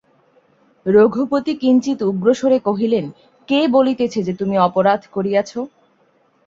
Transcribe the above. রঘুপতি কিঞ্চিৎ উগ্রস্বরে কহিলেন, কে বলিতেছে যে তুমি অপরাধ করিয়াছ?